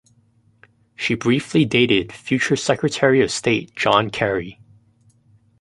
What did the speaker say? She briefly dated future Secretary of State John Kerry.